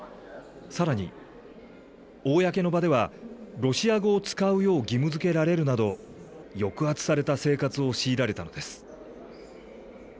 さらに、公の場ではロシア語を使うよう義務づけられるなど、抑圧された生活を強いられたのです。